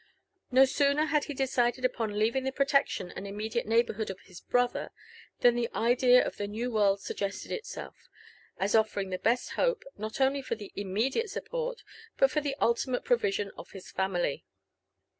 No sooner had he decided upon leaving the protection and immediate neighbourhood of his brother* than the idea of the new world suggested itself, as offering the best hope, not only for the immediate support, but for the ultimate provision of his family.